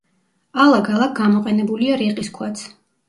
ალაგ-ალაგ გამოყენებულია რიყის ქვაც.